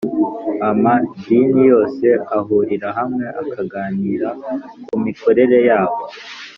Ama dini yose ahurira hamwe akaganira kumikorere yabo